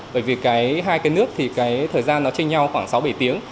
bởi vì cái hai cái nước thì cái thời gian nó chênh nhau khoảng sáu bảy tiếng